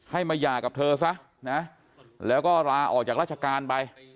ให้มาหย่ากับเธอซะนะแล้วก็ลาออกจากราชการไป